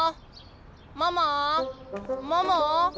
ママママ。